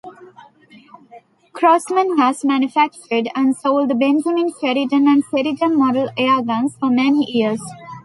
Crosman has manufactured and sold the Benjamin-Sheridan and Sheridan model airguns for many years.